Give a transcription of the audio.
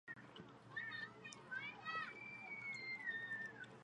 第四纪时期与嘎仁错及西北部的麦穷错为同一湖泊。